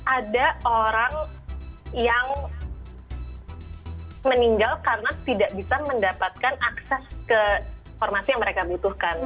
ada orang yang meninggal karena tidak bisa mendapatkan akses ke informasi yang mereka butuhkan